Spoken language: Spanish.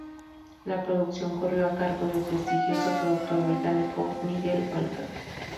La producción corrió a cargo del prestigioso productor británico Nigel Walker.